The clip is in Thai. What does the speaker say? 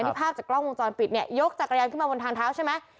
นี่ภาพจากกล้องวงจรปิดเนี่ยยกจักรยานขึ้นมาบนทางเท้าใช่ไหม